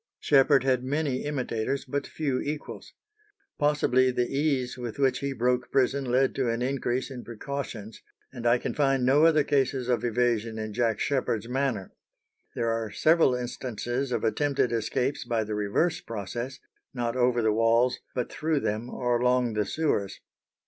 Sheppard had many imitators, but few equals. Possibly the ease with which he broke prison led to an increase in precautions, and I can find no other cases of evasion in Jack Sheppard's manner. There are several instances of attempted escapes by the reverse process, not over the walls, but through them or along the sewers.